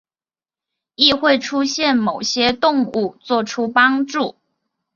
亦会出现某些动物作出帮助。